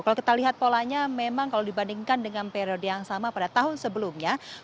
kalau kita lihat polanya memang kalau dibandingkan dengan periode yang sama pada tahun sebelumnya